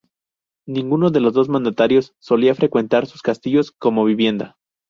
Ninguno de los dos mandatarios solía frecuentar sus castillos como vivienda.